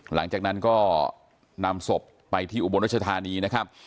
หลังจากนั้นก็นำศพไปที่อุบลรัชธานีนะครับ